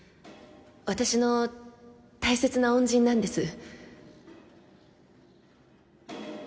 私の大切な恩人なんです